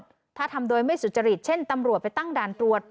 ถ้าทำโดยไม่สุจริตเช่นตำรวจไปตั้งด่านตรวจ